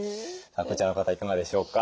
こちらの方いかがでしょうか？